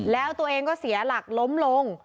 แล้วตัวเองก็เสียหลักล้มลง